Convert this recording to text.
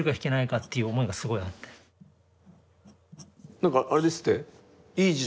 なんかあれですって？